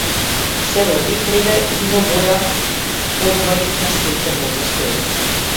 Се роди ждребе вино-боја, одвај на своите нозе стои.